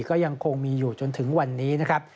ก็ยังคงมีอยู่จนถึงวันนี้นะครับ